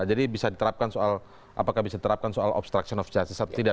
jadi bisa diterapkan soal apakah bisa diterapkan soal obstruction of justice atau tidak